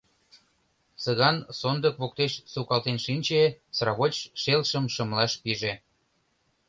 Цыган сондык воктеч сукалтен шинче, сравоч шелшым шымлаш пиже.